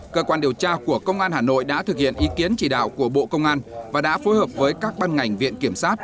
cơ quan điều tra của công an hà nội đã thực hiện ý kiến chỉ đạo của bộ công an và đã phối hợp với các ban ngành viện kiểm sát